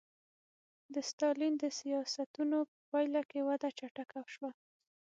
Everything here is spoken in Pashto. د ستالین د سیاستونو په پایله کې وده چټکه شوه